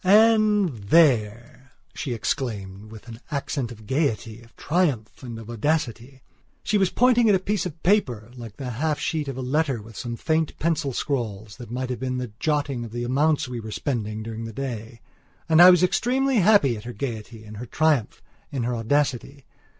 "And there," she exclaimed with an accent of gaiety, of triumph, and of audacity. She was pointing at a piece of paper, like the half sheet of a letter with some faint pencil scrawls that might have been a jotting of the amounts we were spending during the day. And I was extremely happy at her gaiety, in her triumph, in her audacity.